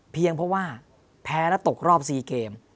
เพียงเพราะว่าแพ้และตกรอบซีเกม